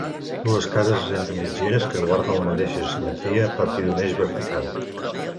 Dues cases entre mitgeres que guarden la mateixa simetria a partir d'un eix vertical.